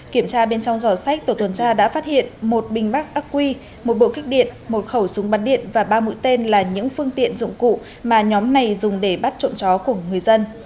kiểm tra bên trong giỏ sách tổ tuần tra đã phát hiện một bình bắc ác quy một bộ kích điện một khẩu súng bắn điện và ba mũi tên là những phương tiện dụng cụ mà nhóm này dùng để bắt trộm chó của người dân